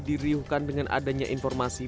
diriuhkan dengan adanya informasi